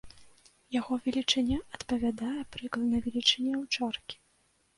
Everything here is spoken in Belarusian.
Яго велічыня адпавядае прыкладна велічыні аўчаркі.